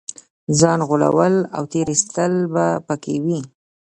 ځان غولول او تېر ایستل به په کې وي.